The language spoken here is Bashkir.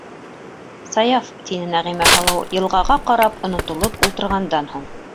Саяф, - тине Нәғимә һылыу, йылғаға ҡарап онотолоп ултырғандан һуң.